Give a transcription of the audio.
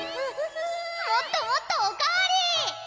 もっともっとおかわり！